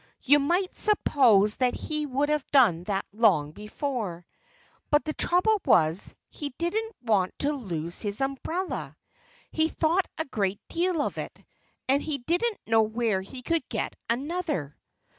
You might suppose that he would have done that long before. But the trouble was, he didn't want to lose his umbrella. He thought a great deal of it; and he didn't know where he could get another.